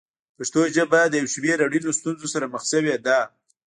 پښتو ژبه د یو شمېر اړینو ستونزو سره مخ شوې ده.